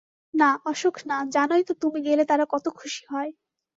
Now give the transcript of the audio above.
না, অসুখ না, জানই তো তুমি গেলে তারা কত খুশি হয়।